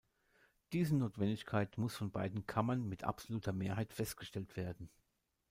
Diese Notwendigkeit muss von beiden Kammern mit absoluter Mehrheit festgestellt werden.